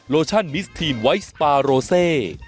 โลชั่นมิสทีนไวท์สปาโรเซ